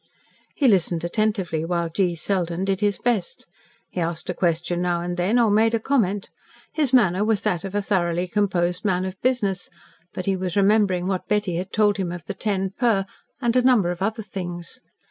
He listened attentively, while G. Selden did his best. He asked a question now and then, or made a comment. His manner was that of a thoroughly composed man of business, but he was remembering what Betty had told him of the "ten per," and a number of other things.